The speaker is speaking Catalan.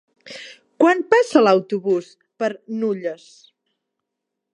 Quan passa l'autobús per Nulles?